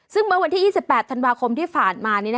ซึ่งเมื่อวันที่๒๘ธันวาคมที่ผ่านมา